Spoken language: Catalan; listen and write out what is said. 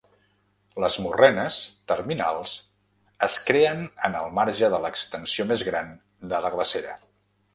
Les morrenes terminals es creen en el marge de l’extensió més gran de la glacera.